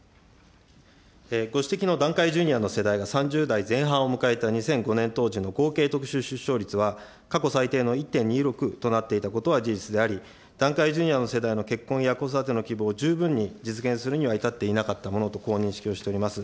ご指摘の団塊ジュニアの世代が３０代前半を迎えた２００５年当時の合計特殊出生率は過去最低の１．２６となっていたことは事実であり、団塊ジュニアの世代の結婚や子育ての希望を十分に実現するには至っていなかったものと、こう認識をしております。